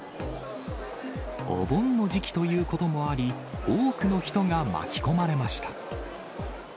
お盆の時期ということもあり、多くの人が巻き込まれました。